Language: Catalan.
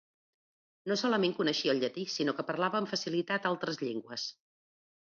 No solament coneixia el llatí sinó que parlava amb facilitat altres llengües.